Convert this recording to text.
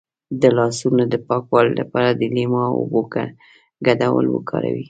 د لاسونو د پاکوالي لپاره د لیمو او اوبو ګډول وکاروئ